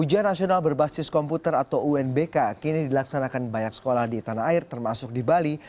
ujian nasional berbasis komputer atau unbk kini dilaksanakan banyak sekolah di tanah air termasuk di bali